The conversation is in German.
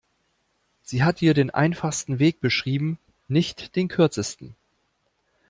Sie hat dir den einfachsten Weg beschrieben, nicht den kürzesten.